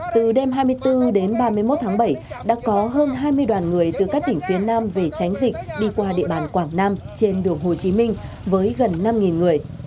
từ đêm hai mươi bốn đến ba mươi một tháng bảy đã có hơn hai mươi đoàn người từ các tỉnh phía nam về tránh dịch đi qua địa bàn quảng nam trên đường hồ chí minh với gần năm người